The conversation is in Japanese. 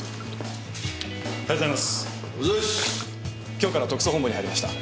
今日から特捜本部に入りました。